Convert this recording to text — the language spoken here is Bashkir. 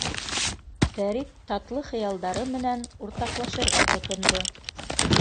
— Фәрит татлы хыялдары менән уртаҡлашырға тотондо.